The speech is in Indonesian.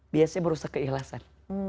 biasanya merusak keikhlasan